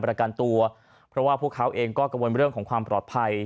เพราะว่าพวกเขาเองก็กังวลเรื่องของความปลอดภัย